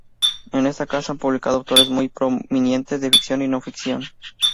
En esta casa han publicado autores muy prominentes de ficción y no ficción.